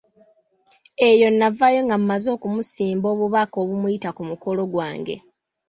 Eyo navaayo nga mmaze okumusimba obubaka obumuyita ku mukolo gwange.